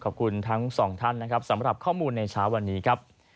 ขอบคุณทั้งสองท่านนะครับสำหรับข้อมูลในเช้าวันนี้ครับ